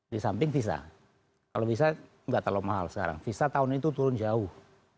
di samping visa kalau bisa nggak terlalu mahal sekarang visa tahun itu turun jauh